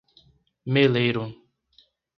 Meleiro